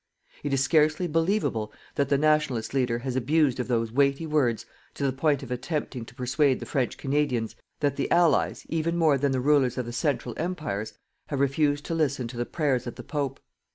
It is scarcely believable that the Nationalist leader has abused of those weighty words to the point of attempting to persuade the French Canadians that the Allies, even more than the Rulers of the Central Empires, have refused to listen to the prayers of the Pope.